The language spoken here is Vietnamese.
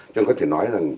cho nên có thể nói là